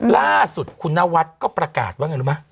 ล่าสุดคุณนวัดก็ประกาศว่าไงรู้ไหม